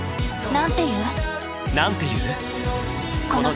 なんて言う？